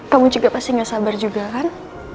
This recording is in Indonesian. kamu juga pasti gak sabar juga kan